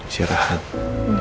saya rahat ya